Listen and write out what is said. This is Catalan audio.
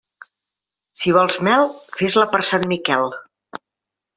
Si vols mel, fes-la per Sant Miquel.